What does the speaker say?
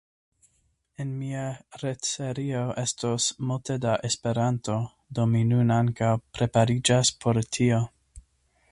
En mia retserio estos multe da Esperanto, do mi nun ankaŭ prepariĝas por tio.